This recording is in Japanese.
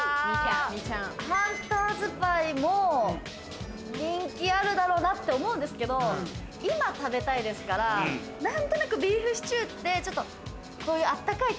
ハンターズ・パイも人気あるだろうなって思うんですけど、今、食べたいですから、何となくビーフシチューって、ちょっとあったかい